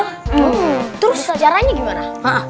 hmm terus sejarahnya gimana